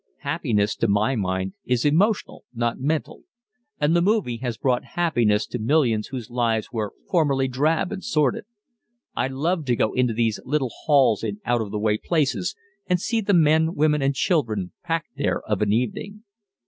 Happiness, to my mind, is emotional, not mental. And the movie has brought happiness to millions whose lives were formerly drab and sordid. I love to go into these little halls in out of the way places, and see the men, women, and children packed there of an evening.